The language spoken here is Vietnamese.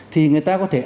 thì người ta có thể